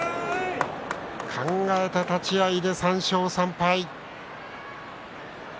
考えた立ち合いで３勝３敗。